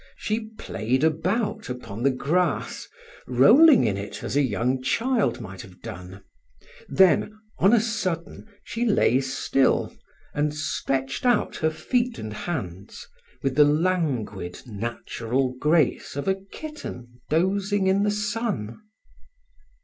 She played about upon the grass, rolling in it as a young child might have done; then, on a sudden, she lay still and stretched out her feet and hands, with the languid natural grace of a kitten dozing in the sun.